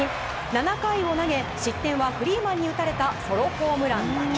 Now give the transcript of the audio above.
７回を投げ失点はフリーマンに打たれたソロホームランだけ。